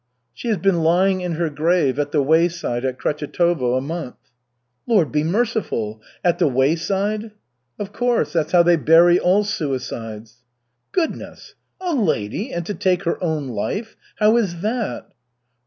"She has been lying in her grave at the wayside at Krechetovo a month." "Lord be merciful! At the wayside!" "Of course, that's how they bury all suicides." "Goodness! A lady and to take her own life! How is that?"